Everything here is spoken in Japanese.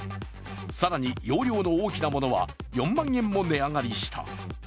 更に容量の大きなものは４万円も値上がりした。